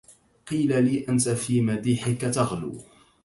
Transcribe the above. قيل لي أنت في مديحك تغلو